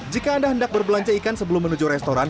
jika anda hendak berbelanja ikan sebelum menuju restoran